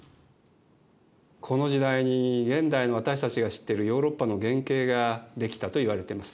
この時代に現代の私たちが知ってるヨーロッパの原型が出来たといわれてます。